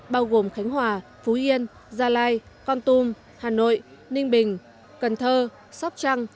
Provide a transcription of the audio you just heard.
bao gồm khánh hòa phú yên gia lai con tum hà nội ninh bình cần thơ sóc trăng